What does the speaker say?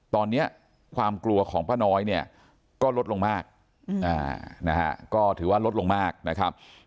ตอนนี้ความกลัวของป้าน้อยเนี่ยก็ลดลงมากนะฮะก็ถือว่าลดลงมากนะครับ